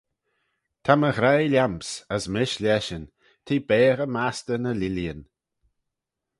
Ta my ghraih lhiam's, as mish leshyn: t'eh beaghey mastey ny lileeyn.